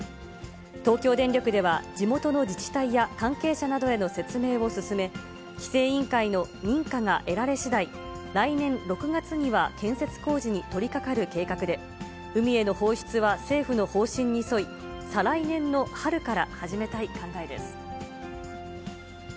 東京電力では、地元の自治体や関係者などへの説明を進め、規制委員会の認可が得られしだい、来年６月には建設工事に取りかかる計画で、海への放出は政府の方針に沿い、再来年の春から始めたい考えです。